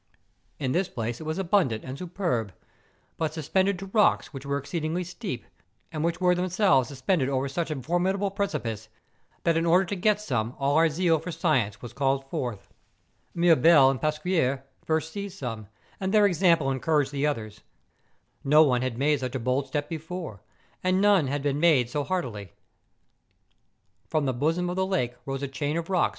In this place it was abundant and superb, but suspended to rocks which were exceedingly steep, and which were themselves suspended over such a formidable precipice, that in order to get some all our zeal for science was called forth. Mirbel and Pas(|uier first seized some, and their example en¬ couraged the others. No one had made such a bold step before; and none had been made so heartily. From the bosom of the lake rose a chain of rocks. 142 MOUNTAIN ADVENTURES.